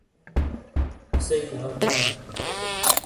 اسی گاو چالی